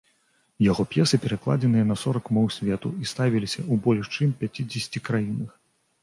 Яго п'есы перакладзеныя на сорак моў свету і ставіліся ў больш чым пяцідзесяці краінах.